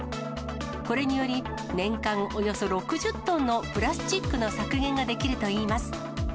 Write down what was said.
これにより、年間およそ６０トンのプラスチックの削減ができるといいます。